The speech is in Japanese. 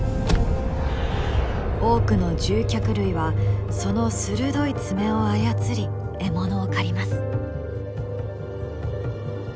多くの獣脚類はその鋭い爪を操り獲物を狩ります。